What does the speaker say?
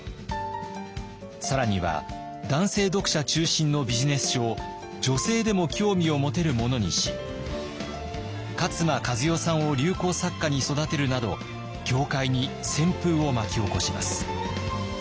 更には男性読者中心のビジネス書を女性でも興味を持てるものにし勝間和代さんを流行作家に育てるなど業界に旋風を巻き起こします。